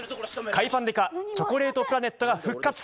海パン刑事、チョコレートプラネットが復活。